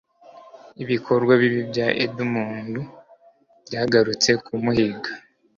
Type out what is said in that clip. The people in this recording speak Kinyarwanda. ibikorwa bibi bya Edmund byagarutse kumuhiga